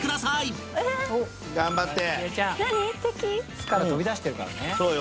巣から飛び出してるからねそうよ